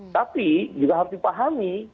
tapi juga harus dipahami